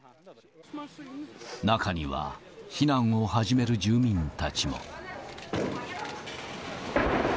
中には、避難を始める住民たちも。